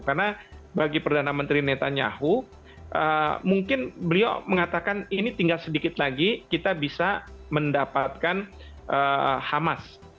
karena bagi perdana menteri netanyahu mungkin beliau mengatakan ini tinggal sedikit lagi kita bisa mendapatkan hamas